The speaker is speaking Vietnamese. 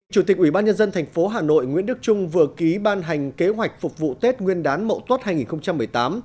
chủ tịch ủy ban nhân dân tp hà nội nguyễn đức trung vừa ký ban hành kế hoạch phục vụ tết nguyên đán mậu tuốt hai nghìn một mươi tám